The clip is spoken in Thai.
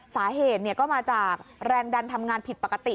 สาเหตุก็มาจากแรงดันทำงานผิดปกติ